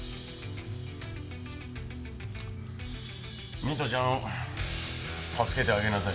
美都ちゃんを助けてあげなさい。